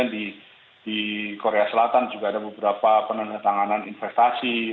di korea selatan juga ada beberapa penandatanganan investasi